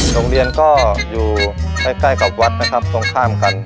โรงเรียนก็อยู่ใกล้กับวัดนะครับตรงข้ามกัน